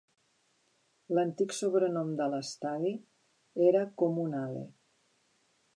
L'antic sobrenom de l'estadi era "Comunale".